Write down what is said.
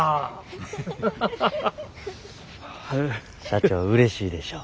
社長うれしいでしょ。